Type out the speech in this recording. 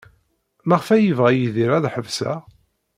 Maɣef ay yebɣa Yidir ad ḥebseɣ?